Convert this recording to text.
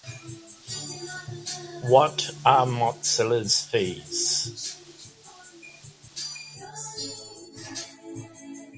Shelters, digital information screens and timetable poster boards are provided on both platforms.